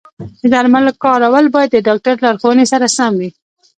د درملو کارول باید د ډاکټر د لارښوونې سره سم وي.